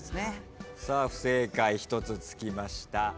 さあ不正解１つつきました。